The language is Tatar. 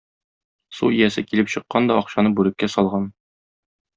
Су иясе килеп чыккан да акчаны бүреккә салган.